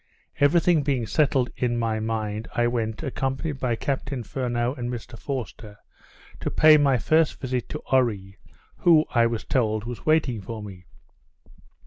Every thing being settled to my mind, I went, accompanied by Captain Furneaux and Mr Forster, to pay my first visit to Oree, who, I was told, was waiting for me.